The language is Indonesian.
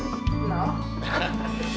udah bisa ngeliat juga pak